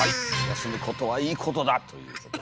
休むことはいいことだということですよね。